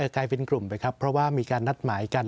กลายเป็นกลุ่มไปครับเพราะว่ามีการนัดหมายกัน